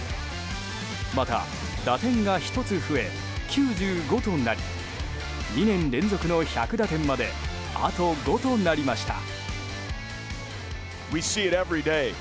また、打点が１つ増え９５となり２年連続の１００打点まであと５となりました。